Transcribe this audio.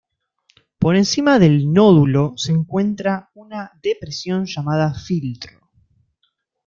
Por encima del nódulo se encuentra una depresión llamada "filtro".